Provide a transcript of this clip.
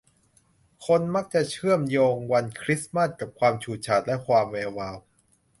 คนมักจะเชื่อมโยงวันคริสมาสต์กับความฉูดฉาดและความแวววาว